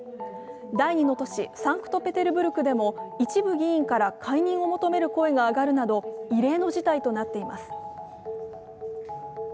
第二の都市・サンクトペテルブルクでも一部議員から解任を求める声が上がるなど異例の事態となっています。